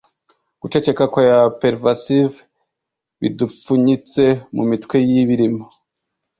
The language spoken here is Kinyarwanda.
Guceceka kwa Pervasive bidupfunyitse mumitwe yibirimo